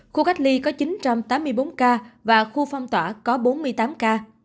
khu cách ly có chín trăm tám mươi bốn ca và khu phong tỏa có bốn mươi tám ca